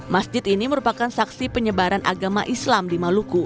masjid ini merupakan saksi penyebaran agama islam di maluku